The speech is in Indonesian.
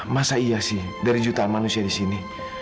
masa iya sih dari jutaan manusia di sini